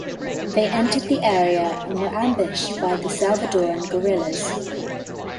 They entered the area and were ambushed by the Salvadoran guerrillas.